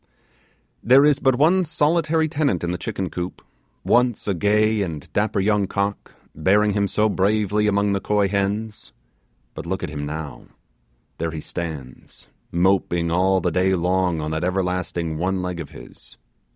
There is but one solitary tenant in the chicken coop, once a gay and dapper young cock, bearing him so bravely among the coy hens. But look at him now; there he stands, moping all the day long on that everlasting one leg of his.